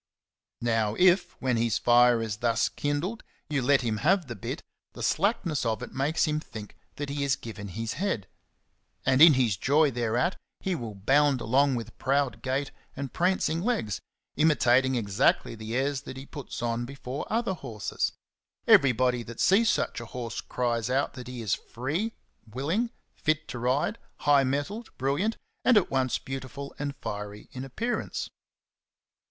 Now if, when his fire is thus kindled, you let him have the bit, the slackness of it makes him think that he is 6o XENOPHON ON HORSEMANSHIP. given his head, and in his joy thereat he will bound along with proud gait and prancing legs, imitating exactly the airs that he puts on before other horses. Everybody that sees such a horse cries out that he is free, willing, fit to ride, high mettled, brilliant, and at once beautiful and fiery in appearance.